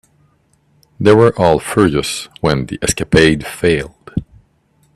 They were all furious when the escapade failed.